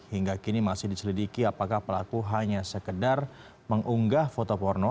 hingga kini masih diselidiki apakah pelaku hanya sekedar mengunggah foto porno